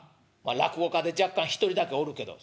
落語家で若干１人だけおるけど」。